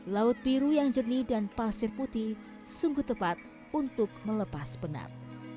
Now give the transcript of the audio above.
laut biru yang jernih dan pasir putih sungguh tepat untuk melepas penat